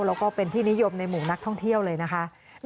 แล้วก็เป็นที่นิยมในหมู่นักท่องเที่ยวเลยนะคะ